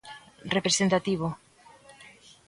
Representativo.